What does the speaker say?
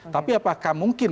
tapi apakah mungkin